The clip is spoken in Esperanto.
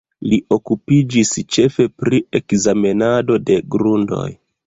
Li okupiĝis ĉefe pri ekzamenado de grundoj.